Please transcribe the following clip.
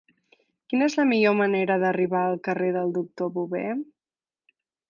Quina és la millor manera d'arribar al carrer del Doctor Bové?